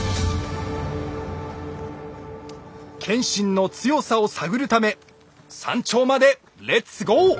謙信の強さを探るため山頂までレッツゴー！